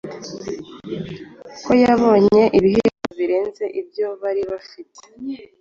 ko yabonye ibihembo birenze ibyo bari bafite